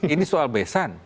ini soal besan